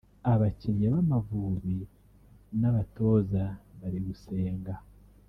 Abakinnyi b’Amavubi n’abatoza bari gusenga